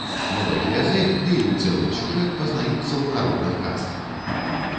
Многія з іх, ды і ў цэлым сюжэт, пазнаюцца ў народных казках.